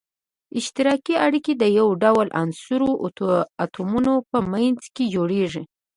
اشتراکي اړیکه د یو ډول عنصرونو اتومونو په منځ کې جوړیږی.